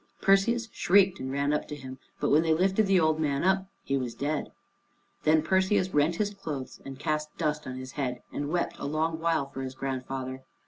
Perseus shrieked and ran up to him, but when they lifted the old man up, he was dead. Then Perseus rent his clothes and cast dust on his head, and wept a long while for his grandfather.